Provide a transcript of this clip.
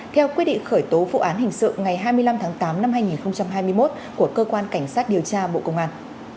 theo quyết định khởi tố vụ án hình sự ngày hai mươi năm tháng tám năm hai nghìn hai mươi một của cơ quan cảnh sát điều tra bộ công an